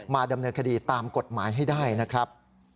ดำเนินคดีตามกฎหมายให้ได้นะครับ